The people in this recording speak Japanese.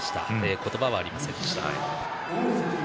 言葉はありませんでした。